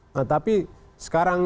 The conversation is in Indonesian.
nah tapi sekarang